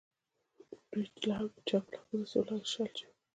د دوی چپ لاس به داسې و لکه شل چې وي.